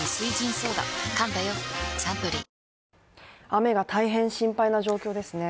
雨が大変心配な状況ですね。